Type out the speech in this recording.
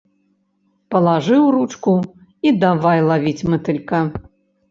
Палажыў ручку, і давай лавіць матылька.